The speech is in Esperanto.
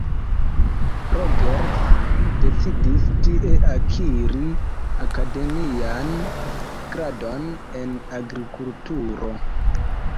Rogers decidis tie akiri akademian gradon en agrikulturo.